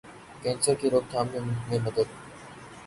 کینسرکی روک تھام میں مدد